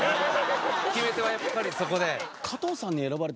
決め手はやっぱりそこで。